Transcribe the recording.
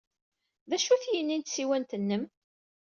D acu-t yini n tsiwant-nnem?